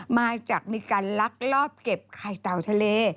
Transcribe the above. มาจากมีการลักลอบเก็บไข่เต่าทะเล